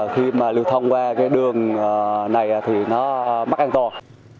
khi mà lưu thông qua cái đường này thì nó mất an toàn